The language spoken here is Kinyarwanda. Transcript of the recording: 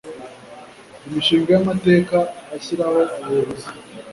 Imishinga y Amateka ashyiraho Abayobozi